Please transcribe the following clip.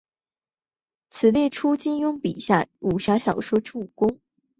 此列出金庸笔下武侠小说之武功。